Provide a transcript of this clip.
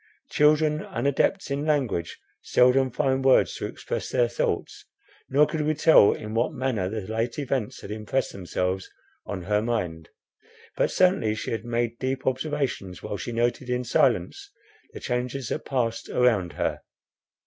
Children, unadepts in language, seldom find words to express their thoughts, nor could we tell in what manner the late events had impressed themselves on her mind. But certainly she had made deep observations while she noted in silence the changes that passed around her.